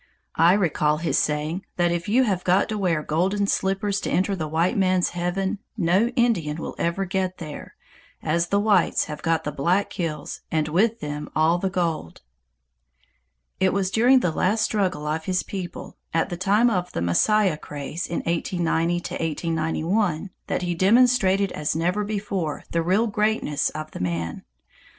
I recall his saying that if you have got to wear golden slippers to enter the white man's heaven no Indian will ever get there, as the whites have got the Black Hills and with them all the gold. It was during the last struggle of his people, at the time of the Messiah craze in 1890 1891 that he demonstrated as never before the real greatness of the man.